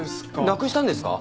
なくしたんですか？